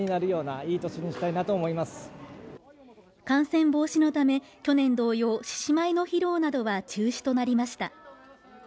感染防止のため去年同様、獅子舞の披露などは中止となりました。